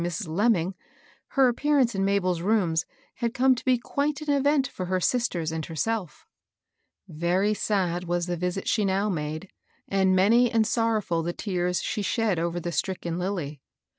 81 Mrs. Lemming, her appearance in Mabel's rooms bad come to be quite an event for her sisters and herself. Very sad was the visit she now made, and many and sorrow&I tfie tears she shed over the stricken Lilly.